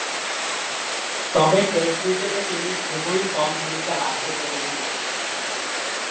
তবে, টেস্ট ক্রিকেটে তিনি খুবই কম ভূমিকা রাখতে পেরেছিলেন।